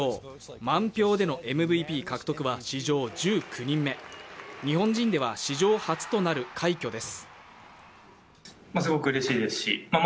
満票でのＭＶＰ獲得は史上１９人目日本人では史上初となる快挙です。